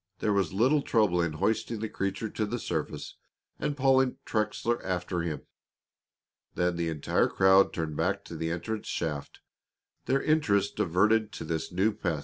There was little trouble in hoisting the creature to the surface and pulling Trexler after him. Then the entire crowd turned back to the entrance shaft, their interest diverted to this new pet.